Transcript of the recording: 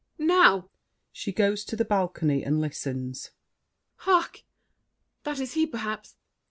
Now! [She goes to the balcony and listens. Hark! that is he perhaps.